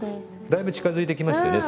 だいぶ近づいてきましたよね